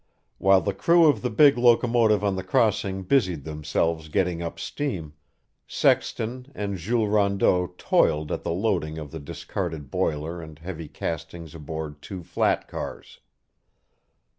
While the crew of the big locomotive on the crossing busied themselves getting up steam, Sexton and Jules Rondeau toiled at the loading of the discarded boiler and heavy castings aboard two flat cars.